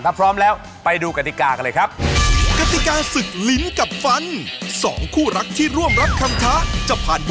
ถ้าพร้อมแล้วไปดูกฎิกากันเลยครับ